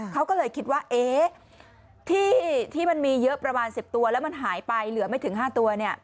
เขาก็เลยคิดว่าที่มันมีเยอะประมาณ๑๐ตัวแล้วมันหายไปเหลือไม่ถึง๕ตัว